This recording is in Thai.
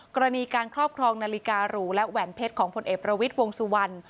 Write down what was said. กรณีการครอบครองนาฬิการูและแหวนเพชรของผลเอกประวิทย์วงสุวรรณ